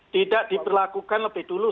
tidak diperlakukan lebih dulu